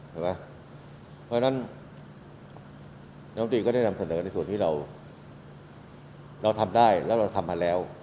เพราะฉะนั้นน้ำตรีก็ได้นำเสนอในส่วนที่เราทำได้แล้วเราทำมาแล้ว